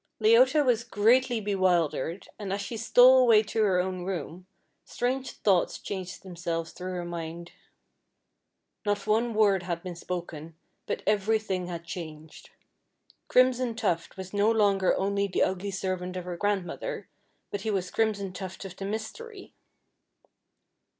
Leota was greatly bewildered, and as she stole away to her own room, strange thoughts chased themselves through her mind. Not one word had been spoken, but every thing had changed. Crimson Tuft was no longer only the ugly servant of her grandmother, but he was Crimson Tuft of the mystery.